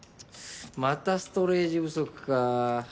またストレージ不足か。